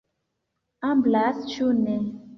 Eblas, cu ne!